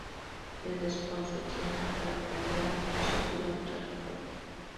Desde su construcción hasta la actualidad ha sufrido muchas reformas.